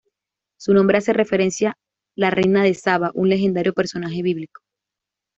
Su nombre hace referencia la reina de Saba, un legendario personaje bíblico.